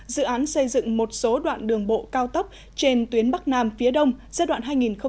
dự án xây dựng một số đoạn đường bộ cao tốc trên tuyến bắc nam phía đông giai đoạn hai nghìn một mươi chín hai nghìn hai mươi